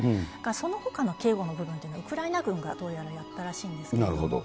そのほかの警護の部分というのは、ウクライナ軍がどうやらやったらしいんですけども。